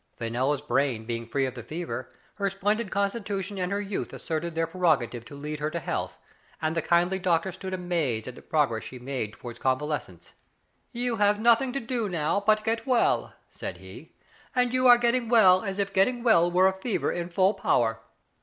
Fenella*s brain being free of the fever, her splendid constitution and her youth asserted their prerogative to lead her to health, and the kindly doctor stood amazed at the progress she made to ward convalescence. " You have nothing to do now but get well, said he, " and you are getting well as if getting well were a fever in full power.